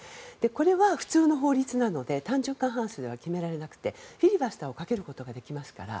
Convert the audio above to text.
これは普通の法律なので単純過半数では決められずフィリバスターをかけることができますから